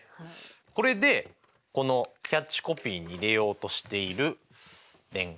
これでこのキャッチコピーに入れようとしているデン！